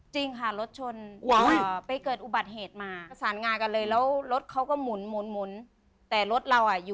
จริงอย่างที่สามารถอยากเลย